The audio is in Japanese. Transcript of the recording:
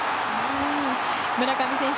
村上選手